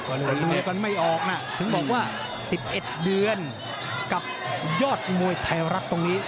วันนี้กันไม่ออกนะถึงบอกว่า๑๑เดือนกับยอดมวยไทยรัฐตรงนี้